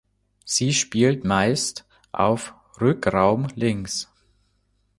Sie spielt meist auf Rückraum links.